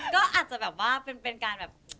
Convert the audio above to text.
ก็อาจจะแบบว่าเป็นการแบบ